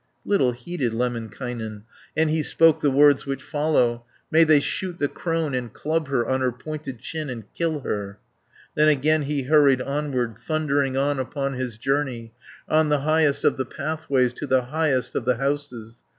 360 Little heeded Lemminkainen, And he spoke the words which follow: "May they shoot the crone, and club her, On her pointed chin, and kill her." Then again he hurried onward, Thundering on upon his journey, On the highest of the pathways, To the highest of the houses.